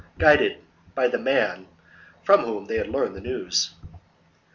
guided by the man from whom they had learned the news.